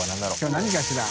腓何かしら？